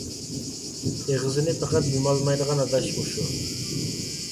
ئېغىزىنى پەقەت يۇمالمايدىغان ئاداش مۇشۇ.